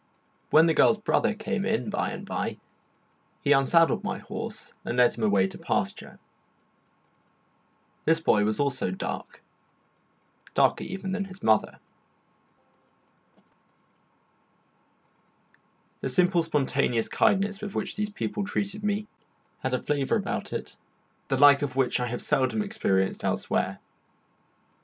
When the girl's brother came in, by and by, he unsaddled my horse and led him away to pasture; this boy was also dark, darker even than his mother. The simple spontaneous kindness with which these people treated me had a flavour about it the like of which I have seldom experienced elsewhere.